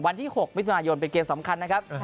วันที่๖วิทยาลัยยนต์เป็นเกมสำคัญนะครับ